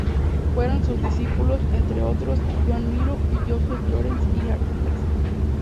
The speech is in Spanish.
Fueron sus discípulos, entre otros, Joan Miró y Josep Llorens i Artigas.